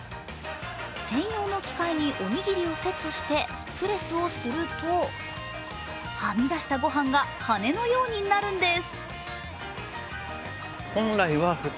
専用の機械におにぎりをセットしてプレスをするとはみ出したごはんが羽根のようになるんです。